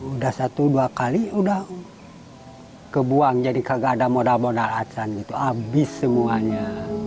udah satu dua kali udah kebuang jadi kagak ada modal modal atsan abis semuanya